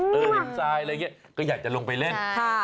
เห็นทรายอะไรอย่างนี้ก็อยากจะลงไปเล่น